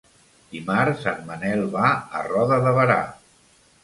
Dimarts en Manel va a Roda de Berà.